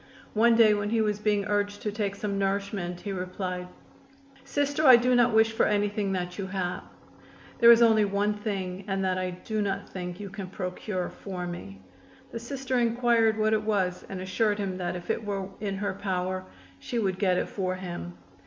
One day when he was being urged to take some nourishment he replied: "Sister, I do not wish for anything that you have. There is only one thing, and that I do not think you can procure for me." The Sister inquired what it was and assured him that if it were in her power she would get it for him.